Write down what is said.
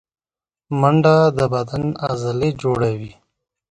منډه د بدن عضلې جوړوي